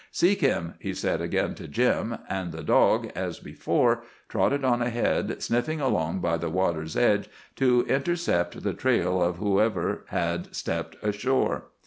"Seek him," he said again to Jim, and the dog, as before, trotted on ahead, sniffing along by the water's edge to intercept the trail of whoever had stepped ashore.